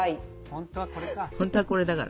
本当はこれか。